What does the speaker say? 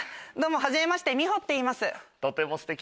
はじめましてみほっていいます。